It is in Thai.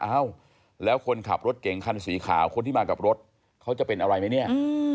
เอ้าแล้วคนขับรถเก่งคันสีขาวคนที่มากับรถเขาจะเป็นอะไรไหมเนี่ย